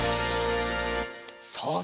さあ